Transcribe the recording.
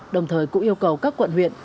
đồng thời cũng yêu cầu các quận huyện